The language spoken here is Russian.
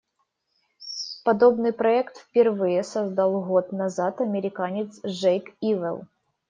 Подобный проект впервые создал год назад американец Джейк Ивел.